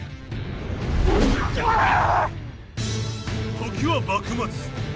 時は幕末。